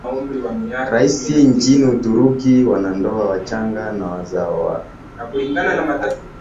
rahisi nchini Uturuki Wanandoa wachanga na wazazi wao